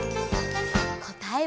「こたえは」